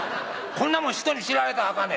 こんなもんひとに知られたらあかんね